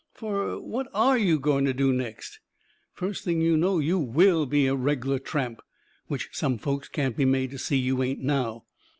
Fur what ARE you going to do next? First thing you know, you WILL be a reg'lar tramp, which some folks can't be made to see you ain't now."